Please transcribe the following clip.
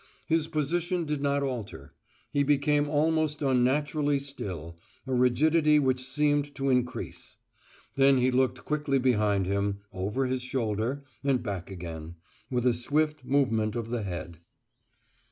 His position did not alter; he became almost unnaturally still, a rigidity which seemed to increase. Then he looked quickly behind him, over his shoulder, and back again, with a swift movement of the head.